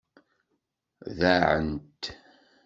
Ḍaɛent.